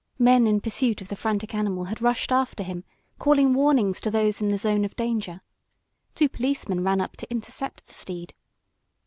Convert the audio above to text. Men in pursuit of the frantic animal had rushed after him, calling warnings to those in the zone of danger. Two policemen ran up to intercept the steed.